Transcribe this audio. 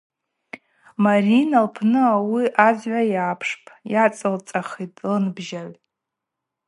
Марина лпны ауи азгӏва йапшпӏ, йгӏацылцӏахитӏ лынбжьагӏв.